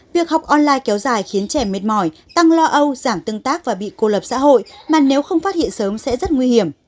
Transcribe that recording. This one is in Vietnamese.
việc học online kéo dài khiến trẻ mệt mỏi tăng lo âu giảm tương tác và bị cô lập xã hội mà nếu không phát hiện sớm sẽ rất nguy hiểm